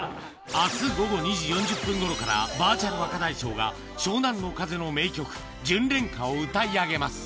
あす午後２時４０分ごろから、バーチャル若大将が湘南乃風の名曲、純恋歌を歌い上げます。